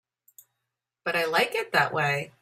But I like it that way.